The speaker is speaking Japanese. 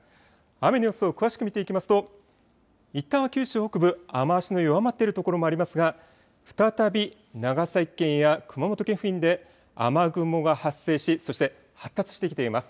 雨の様子を詳しく見ていきますといったんは九州北部雨足の弱まっているところもありますが再び長崎県や熊本県付近で雨雲が発生しそして発達してきています。